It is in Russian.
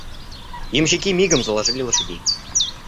Ямщики мигом заложили лошадей.